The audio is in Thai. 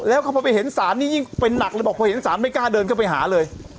แล้วพอไปเห็นศาลนี่ยิ่งเป็นหนักเลยบอกพอเห็นศาลไม่กล้าเดินเข้าไปหาเลย